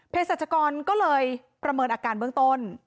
สัชกรก็เลยประเมินอาการเบื้องต้น